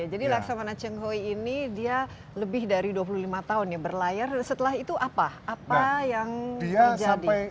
jadi laksamana cenghoi ini dia lebih dari dua puluh lima tahun ya berlayar setelah itu apa apa yang terjadi